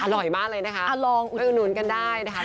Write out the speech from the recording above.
อร่อยมากเลยนะคะลองอุดหนุนกันได้นะคะ